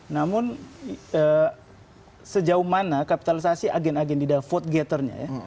namun sejauh mana kapitalisasi agen agen di dalam vote getter nya ya